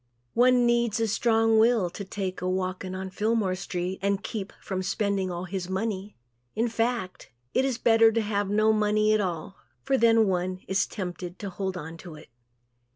One needs a strong will to take a walking on Fillmore street and keep from spending all his money. In fact it is better to have no money at all for then one is tempted to hold on to it.